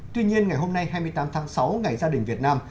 tuy nhiên ngày hôm nay hai mươi tám tháng sáu ngày gia đình việt nam